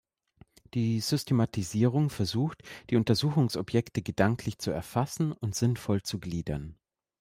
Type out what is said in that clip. Die Systematisierung versucht, die Untersuchungsobjekte gedanklich zu erfassen und sinnvoll zu gliedern.